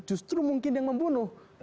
justru mungkin yang membunuh